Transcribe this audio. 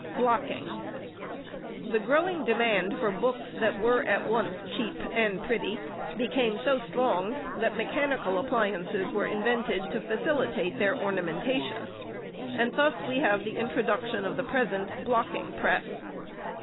Blocking.—The growing demand for books that were at once cheap and pretty, became so strong, that mechanical appliances were invented to facilitate their ornamentation; and thus we have the introduction of the present blocking press.